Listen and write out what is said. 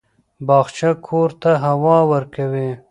باغچه کور ته هوا ورکوي.